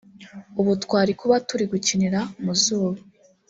ubu twari kuba turi gukinira mu zuba